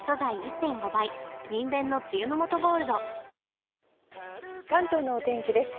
午後関東のお天気です。